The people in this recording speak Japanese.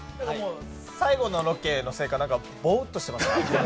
最後のロケのせいかぼーっとしてますね。